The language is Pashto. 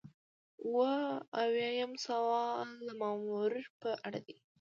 اووه اویایم سوال د مامور په اړه دی.